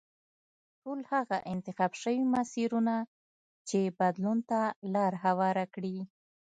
ټول هغه انتخاب شوي مسیرونه چې بدلون ته لار هواره کړه.